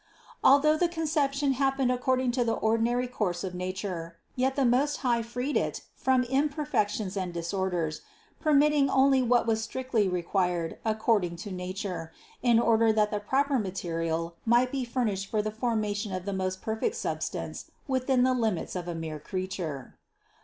Although the concep tion happened according to the ordinary course of na ture, yet the Most High freed it from imperfections and disorders, permitting only what was strictly required ac cording to nature, in order that the proper material might be furnished for the formation of the most per fect substance within the limits of a mere creature.